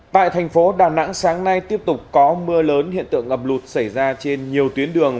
tại thành phố đà nẵng sáng nay tiếp tục có mưa lớn hiện tượng ngập lụt xảy ra trên nhiều tuyến đường